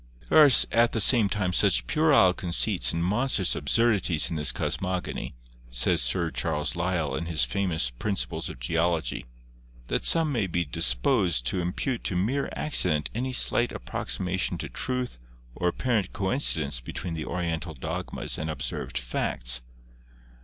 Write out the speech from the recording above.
"There are at the same time such puerile conceits and monstrous absurdities in this cosmogony," says Sir Charles Lyell in his famous 'Principles of Geology,' "that some may be disposed to impute to mere accident any slight approximation to truth or apparent coincidence between the Oriental dogmas and observed facts.